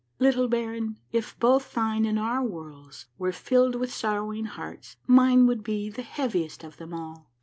" Little baron, if both thine and our worlds were filled with sorrowing hearts, mine would be the heaviest of them all.